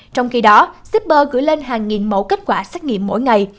trong khi đó shipper gửi lên hàng nghìn mẫu kết quả xét nghiệm mỗi ngày